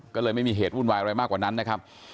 ก็เลยไม่มีเหตุวุ่นวายอะไรมากกว่านั้นนะครับ